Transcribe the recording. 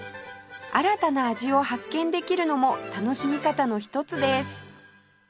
新たな味を発見できるのも楽しみ方の一つです